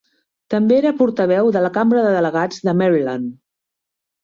També era portaveu de la Cambra de Delegats de Maryland.